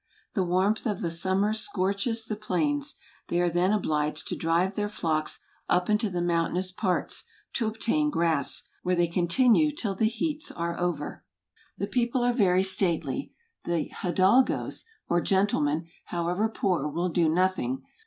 The warmth of the summer scorches the plains; they are then obliged to drive their flocks up into the mountainous parts, to obtain grass; where they continue till the heats are over. I *£ ft ¥ v* »% SPAIN. 91 The people are very stately. The Hidalgos , or gentlemen, however poor, will do nothing.